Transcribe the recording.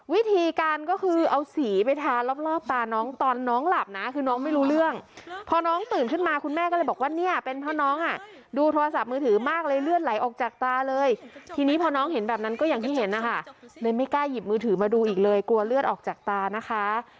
วิธีการก็คือเอาสีไปทารอบตาน้องตอนน้องหลับนะคือน้องไม่รู้เรื่องพอน้องตื่นขึ้นมาคุณแม่ก็เลยบอกว่าเนี่ยเป็นเพราะน้องอ่ะดูโทรศัพท์มือถือมากเลยเลือดไหลออกจากตาเลยทีนี้พอน้องเห็นแบบนั้นก็อย่างที่เห็นนะคะเลยไม่กล้าหยิบมือถือมาดูอีกเลยกลัวเลือดออกจากตานะคะ